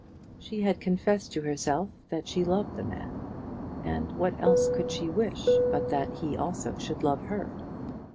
She had confessed to herself that she loved the man, and what else could she wish but that he also should love her?